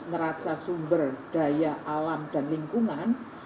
neraca sumber daya alam dan lingkungan